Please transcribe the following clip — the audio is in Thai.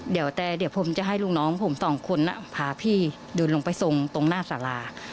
เดี๋ยวแต่เดี๋ยวผมจะให้ลูกน้องผมสองคนพาพี่เดินลงไปทรงตรงหน้าสารา